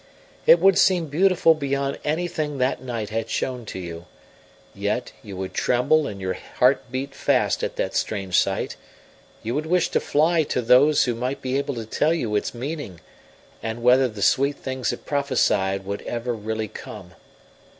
It would seem beautiful beyond anything that night had shown to you, yet you would tremble and your heart beat fast at that strange sight; you would wish to fly to those who might be able to tell you its meaning, and whether the sweet things it prophesied would ever really come.